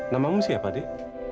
namamu siapa deh